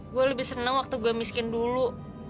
gue lebih seneng waktu gue miskin dulu